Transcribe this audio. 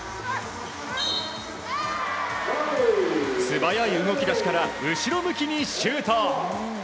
素早い動き出しから後ろ向きにシュート！